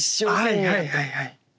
はいはいはいはい。